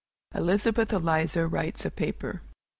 ELIZABETH ELIZA WRITES A PAPER.